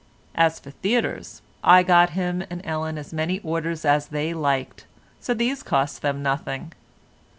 As for theatres, I got him and Ellen as many orders as they liked, so these cost them nothing.